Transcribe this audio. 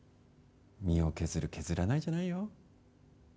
身を削る削らないじゃないよ。